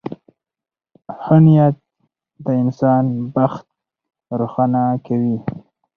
• ښه نیت د انسان بخت روښانه کوي.